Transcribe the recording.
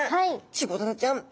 チゴダラちゃん